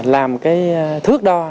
làm cái thước đo